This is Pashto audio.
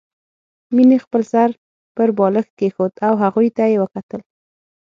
مينې خپل سر پر بالښت کېښود او هغوی ته يې وکتل